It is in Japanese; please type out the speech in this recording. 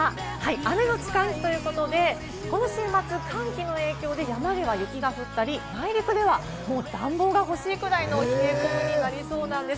雨のち寒気ということで、この週末、寒気の影響で山では雪が降ったり、内陸では暖房がほしいくらいの冷え込みになりそうなんです。